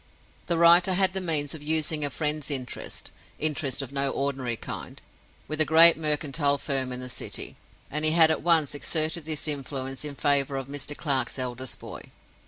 The writer had the means of using a friend's interest—interest of no ordinary kind—with a great Mercantile Firm in the City; and he had at once exerted this influence in favor of Mr. Clare's eldest boy.